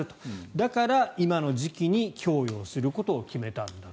だから、今の時期に供与をすることを決めたんだと。